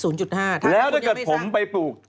แล้วถ้าเกิดผมไปปลูก